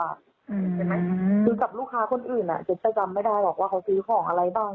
ใช่ไหมคือกับลูกค้าคนอื่นอ่ะเจ๊จะจำไม่ได้หรอกว่าเขาซื้อของอะไรบ้าง